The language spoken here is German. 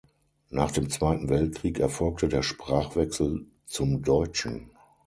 Nach dem Zweiten Weltkrieg erfolgte der Sprachwechsel zum Deutschen.